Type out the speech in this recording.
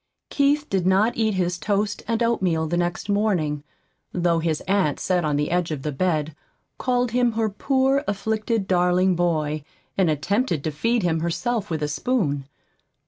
Keith did not eat his toast and oatmeal the next morning, though his aunt sat on the edge of the bed, called him her poor, afflicted, darling boy, and attempted to feed him herself with a spoon.